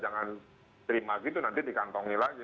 jangan terima gitu nanti dikantongi lagi